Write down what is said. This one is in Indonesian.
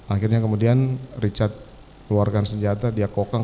akhirnya kemudian richard keluarkan senjata dia kokang